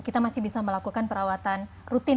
kita masih bisa melakukan perawatan rutin